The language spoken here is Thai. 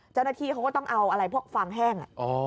เจ้าหน้าที่เขาก็ต้องเอาอะไรพวกฟางแห้ง